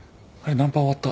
ナンパ終わった。